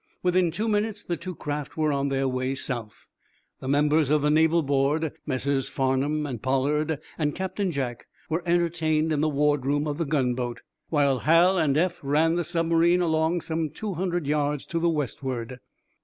Within two minutes the two craft were on their way south. The members of the Naval board, Messrs. Farnum and Pollard and Captain Jack were entertained in the ward room of the gun boat, while Hal and Eph ran the submarine along some two hundred yards to the westward.